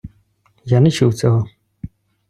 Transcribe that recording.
Я не чув цього.